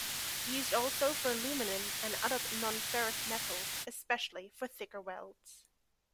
Used also for aluminium and other non-ferrous metals, especially for thicker welds.